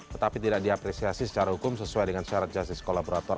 tetapi tidak diapresiasi secara hukum sesuai dengan syarat justice kolaborator